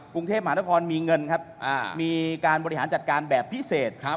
กรุงเทพมหานครมีเงินครับมีการบริหารจัดการแบบพิเศษ